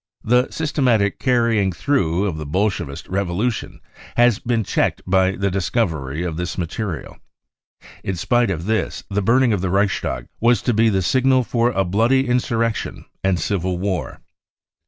The systematic carrying through of the Bolshevist revolution has been checked by the discovery of this material'. In spite of this the burning of the Reichstag was to be the signal for a bloody insurrection and civil war.